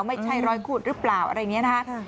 ไม่ใช่รอยขูดหรือเปล่าอะไรอย่างนี้นะคะ